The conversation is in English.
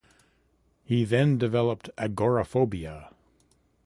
He then developed agoraphobia.